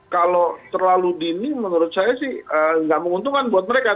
kalau terlalu dini menurut saya sih nggak menguntungkan buat mereka